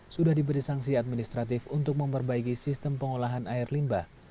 sudah diberi sanksi administratif untuk memperbaiki sistem pengolahan air limbah